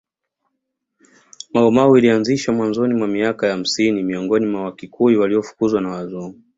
Mau Mau ilianzishwa mwanzoni mwa miaka ya hamsini miongoni mwa Wakikuyu waliofukuzwa na Wazungu